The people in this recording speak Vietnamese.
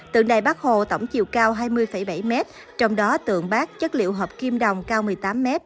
tượng đài bắc hồ tổng chiều cao hai mươi bảy m trong đó tượng bác chất liệu hộp kim đồng cao một mươi tám m